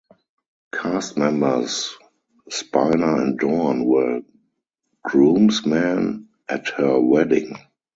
Cast members Spiner and Dorn were groomsmen at her wedding.